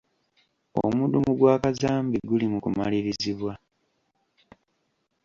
Omudumu gwa kazambi guli mu kumalirizibwa.